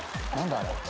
あれ。